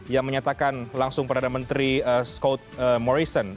yang menyatakan langsung perdana menteri scode morrison